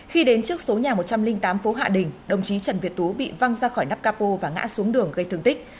khi đến trước số nhà một trăm linh tám phố hạ đình đồng chí trần việt tú bị văng ra khỏi nắp capo và ngã xuống đường gây thương tích